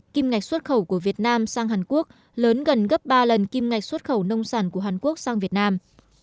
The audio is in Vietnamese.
kim ngạch xuất khẩu của việt nam sang hàn quốc lớn gần gấp ba lần kim ngạch xuất khẩu nông sản của hàn quốc sang việt nam